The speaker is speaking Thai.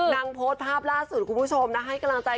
นางโพสต์ภาพล่าสุดให้กำลังใจ